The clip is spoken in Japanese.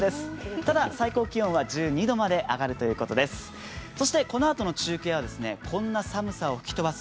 ただ、最高気温は１２度まで上がるということです。